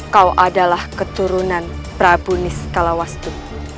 kau adalah keturunan prabu nisqala wastu